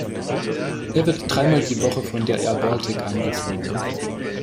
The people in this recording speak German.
Er wird dreimal die Woche von der Air Baltic angeflogen.